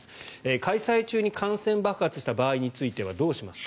開催中に感染爆発した場合についてはどうしますか。